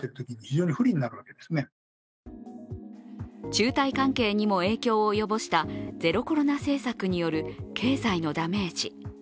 中台関係にも影響を及ぼしたゼロコロナ政策による経済のダメージ。